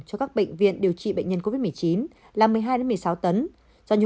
cho các bệnh viện điều trị bệnh nhân covid một mươi chín là một mươi hai một mươi sáu tấn do nhu